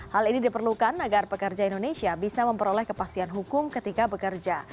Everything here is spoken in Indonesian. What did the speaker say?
hal ini diperlukan agar pekerja indonesia bisa memperoleh kepastian hukum ketika bekerja